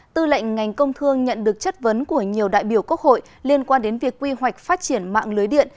tư lệnh ngành công thương nhận được chất vấn của nhiều đại biểu quốc hội liên quan đến việc quy hoạch phát triển mạng lưới điện